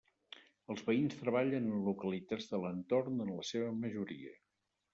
Els veïns treballen en localitats de l'entorn en la seva majoria.